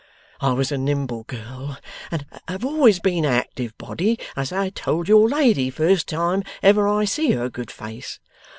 I was a nimble girl, and have always been a active body, as I told your lady, first time ever I see her good face.